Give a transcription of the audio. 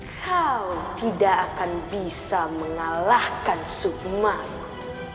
kau tidak akan bisa mengalahkan sukmaku